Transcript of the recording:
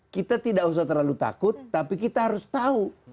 kita tidak usah terlalu takut tapi kita harus tahu